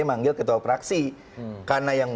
manggil ketua praksi karena yang